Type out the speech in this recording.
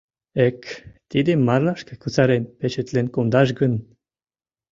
Эк, тидым марлашке кусарен печетлен кондаш гын?